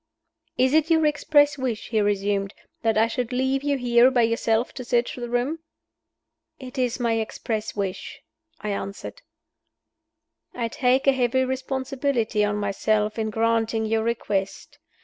"Is it your express wish," he resumed, "that I should leave you here by yourself to search the room?" "It is my express wish," I answered. "I take a heavy responsibility on myself in granting your request.